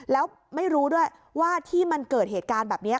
แล้วไม่รู้ด้วยว่าที่มันเกิดเหตุการณ์แบบนี้